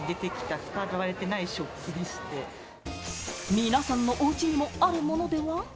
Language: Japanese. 皆さんのお家にもあるものでは？